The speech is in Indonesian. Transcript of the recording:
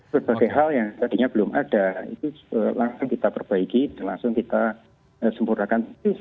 berbagai hal yang tadinya belum ada itu langsung kita perbaiki dan langsung kita sempurnakan